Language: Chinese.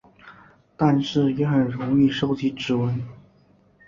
但是也很容易收集指纹。